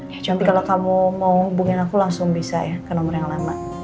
ya cantik kalau kamu mau hubungin aku langsung bisa ya ke nomor yang lama